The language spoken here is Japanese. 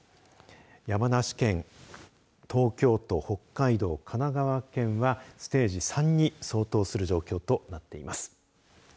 山梨県東京都、北海道、神奈川県はステージ３に相当する状況となっています。